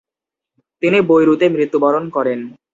তিনি বৈরুতে মৃত্যুবরণ করেন।